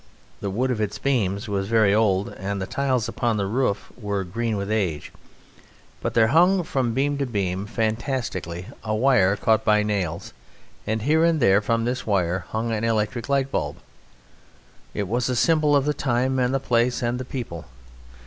The wood of its beams was very old, and the tiles upon the roof were green with age; but there hung from beam to beam, fantastically, a wire caught by nails, and here and there from this wire hung an electric light bulb. It was a symbol of the time, and the place, and the people.